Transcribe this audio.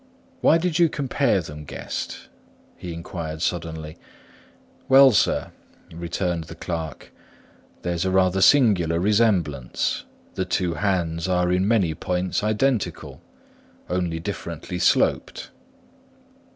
"Why did you compare them, Guest?" he inquired suddenly. "Well, sir," returned the clerk, "there's a rather singular resemblance; the two hands are in many points identical: only differently sloped."